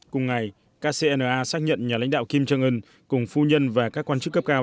cùng ngày kcna xác nhận nhà lãnh đạo kim jong un cùng phu nhân và các quan chức cấp cao